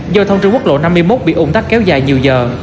do thông trường quốc lộ năm mươi một bị ủng tắc kéo dài nhiều giờ